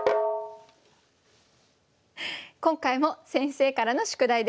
今回も先生からの宿題です。